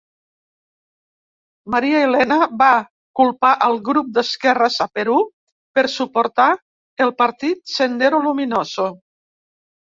Maria Elena va culpar el grup d'esquerres a Perú per suportar el partit Sendero Luminoso.